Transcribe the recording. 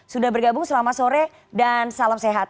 sudah bergabung selamat sore dan salam sehat